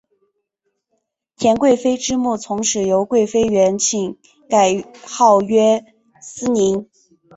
田贵妃之墓从此由贵妃园寝改号曰思陵。